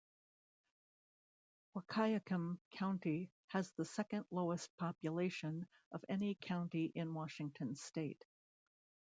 Wahkiakum County has the second lowest population of any county in Washington state.